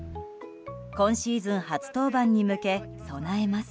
今シーズン初登板に向け備えます。